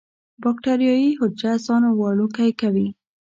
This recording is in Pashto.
باکټریايي حجره ځان وړوکی کوي.